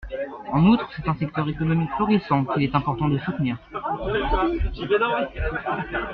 En outre, c’est un secteur économique florissant, qu’il est important de soutenir.